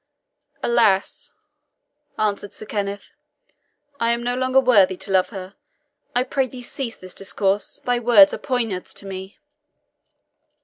"Alas," answered Sir Kenneth, "I am no longer worthy to love her. I pray thee cease this discourse thy words are poniards to me."